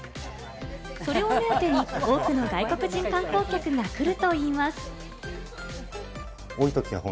それを目当てに多くの外国人観光客が来るといいます。